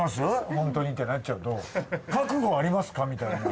ホントにってなっちゃうと覚悟ありますかみたいな。